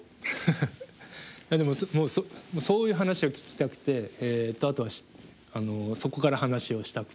でもそういう話を聞きたくてあとはそこから話をしたくて。